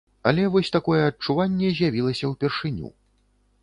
Але вось такое адчуванне з'явілася ўпершыню.